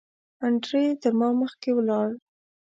انډریو تر ما مخکې ولاړ.